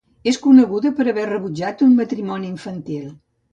És coneguda per haver rebutjat un matrimoni infantil.